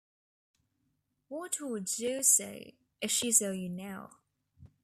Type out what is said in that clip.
What would Jo say if she saw you now?